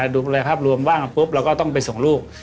ดูแลภาพรวมว่างปุ๊บเราก็ต้องไปส่งลูก